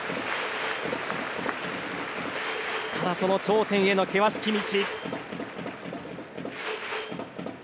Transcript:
ただ、その頂点への険しき道。